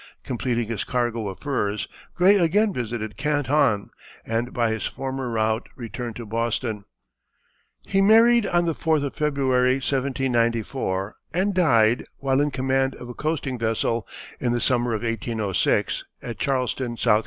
Completing his cargo of furs, Gray again visited Canton, and by his former route returned to Boston. He married on the 4th of February, 1794, and died, while in command of a coasting vessel, in the summer of 1806, at Charleston, S. C.